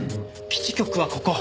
基地局はここ。